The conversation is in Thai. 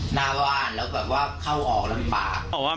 หน้าบ้านแล้วเข้าออกลำบาก